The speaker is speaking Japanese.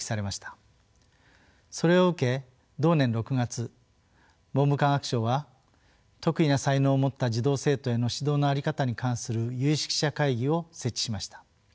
それを受け同年６月文部科学省は特異な才能を持った児童生徒への指導の在り方に関する有識者会議を設置しました。